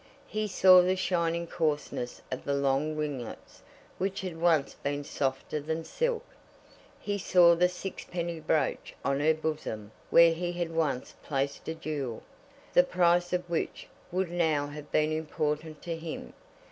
He saw the shining coarseness of the long ringlets which had once been softer than silk. He saw the sixpenny brooch on her bosom where he had once placed a jewel, the price of which would now have been important to him.